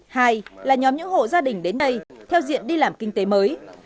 hai là nhóm những hộ gia đình đến đây theo diện đi làm kinh tế mới